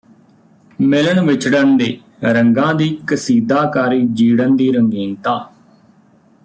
ਮਿਲਣ ਵਿਛੜਣ ਦੇ ਰੰਗਾਂ ਦੀ ਕਸੀਦਾਕਾਰੀ ਜੀੜਨ ਦੀ ਰੰਗੀਨਤਾ